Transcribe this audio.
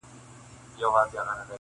ويل گورئ دې د لاپو پهلوان ته-